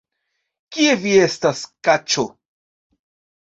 Kie vi estas, kaĉo?